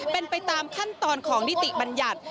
เป็นไปตามขั้นตอนของนิติบัญญัติ